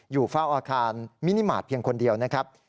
อยู่เฝ้าอาคารมินิมาตรเพียงคนเดียวนะครับ